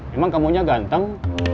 yang keemunya ganteng